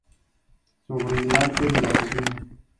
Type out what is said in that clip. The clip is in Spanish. Sobre el arte de la cocina".